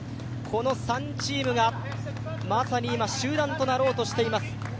この３チームがまさに今、集団になろうとしています。